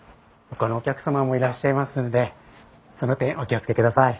ほかのお客様もいらっしゃいますのでその点お気を付けください。